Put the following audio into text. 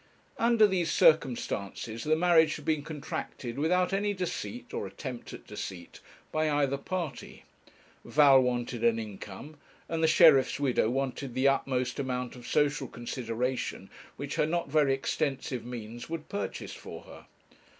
Under these circumstances the marriage had been contracted without any deceit, or attempt at deceit, by either party. Val wanted an income, and the sheriff's widow wanted the utmost amount of social consideration which her not very extensive means would purchase for her.